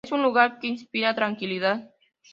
Es un lugar que inspira tranquilidad.